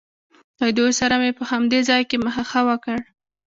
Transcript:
له دوی سره مې په همدې ځای کې مخه ښه وکړ.